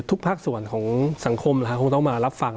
ภาคส่วนของสังคมคงต้องมารับฟัง